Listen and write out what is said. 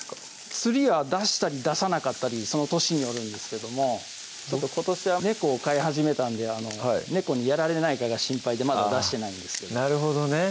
ツリーは出したり出さなかったりその年によるんですけどもちょっと今年は猫を飼い始めたんで猫にやられないかが心配でまだ出してないんですけどなるほどね